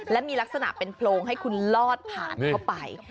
และมีลักษณะเป็นโพรงให้คุณลอดผ่านเข้าไป